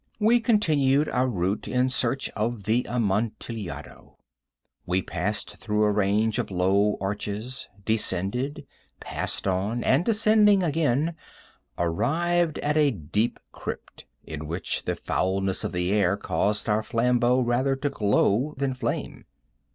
We continued our route in search of the Amontillado. We passed through a range of low arches, descended, passed on, and descending again, arrived at a deep crypt, in which the foulness of the air caused our flambeaux rather to glow than flame.